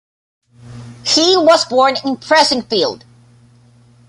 He was born in Fressingfield.